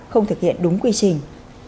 không thực hiện đúng quy trình